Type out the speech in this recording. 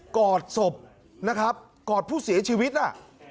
อดศพนะครับกอดผู้เสียชีวิตน่ะ